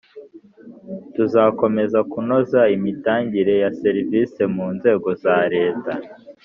tuzakomeza kunoza imitangire ya serivisi mu nzego za Leta